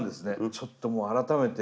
ちょっともう改めて。